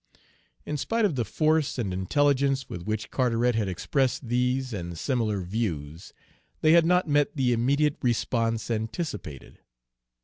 In spite of the force and intelligence with which Carteret had expressed these and similar views, they had not met the immediate response anticipated.